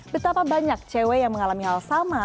betapa banyak cewek yang mengalami hal sama